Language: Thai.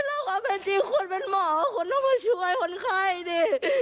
แล้วก็เป็นจริงคุณเป็นหมอคุณต้องมาช่วยคนไข้ดิ